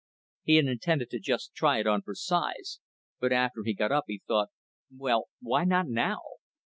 He had intended to just try it on for size, but after he got it up he thought: well, why not now?